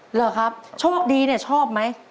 เหรอครับโชคดีเนี่ยชอบไหม